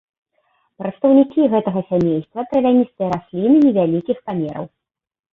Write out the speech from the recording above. Прадстаўнікі гэтага сямейства травяністыя расліны невялікіх памераў.